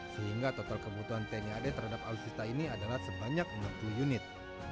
sehingga total kebutuhan tni ad terhadap alutsista ini adalah sebanyak enam puluh unit